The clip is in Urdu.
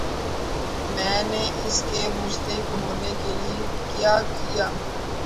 میں نے اس کے مستحق ہونے کے لئے کیا کیا؟